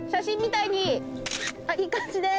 いい感じです。